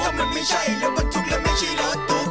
ถ้ามันไม่ใช่รถบทุกข์และไม่ใช่รถตุ๊ก